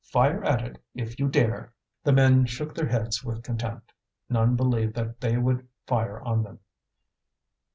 "Fire at it if you dare!" The men shook their heads with contempt. None believed that they would fire on them.